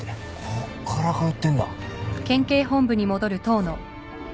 こっから通ってんだ。